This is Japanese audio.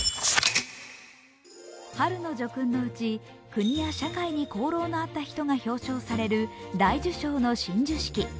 春の叙勲のうち国や社会に功労のあった人が表彰される大綬章の親授式。